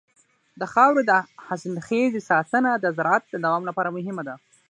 د خاورې د حاصلخېزۍ ساتنه د زراعت د دوام لپاره مهمه ده.